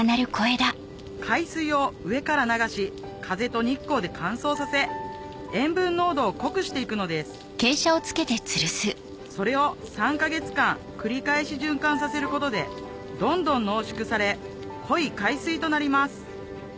海水を上から流し風と日光で乾燥させ塩分濃度を濃くしていくのですそれを３か月間繰り返し循環させることでどんどん濃縮され濃い海水となります